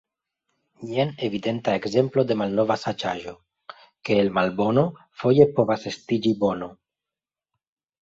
Jen evidenta ekzemplo de malnova saĝaĵo, ke el malbono foje povas estiĝi bono.